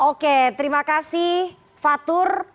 oke terima kasih fatur